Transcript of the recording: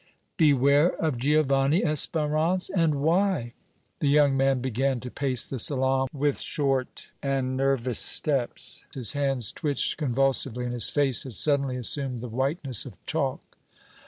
"Beware of Giovanni, Espérance and why?" The young man began to pace the salon with short and nervous steps; his hands twitched convulsively, and his face had suddenly assumed the whiteness of chalk.